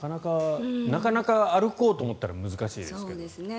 なかなか歩こうと思ったら難しいですよね。